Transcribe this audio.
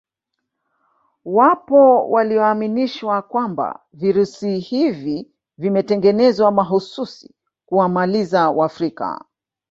Wapo walioaminishwa kwamba virusi hivi vimetengenezwa mahususi kuwamaliza wafrika